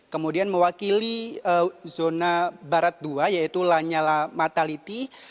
kemudian mewakili zona barat dua yaitu lanyala mataliti